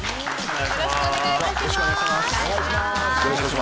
よろしくお願いします。